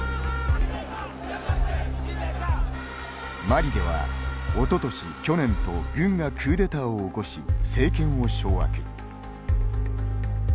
マリでは、おととし、去年と軍がクーデターを起こし政権を掌握。